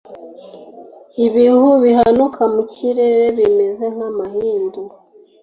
ibihu bihanuka mu kirere bimeze nk'amahindu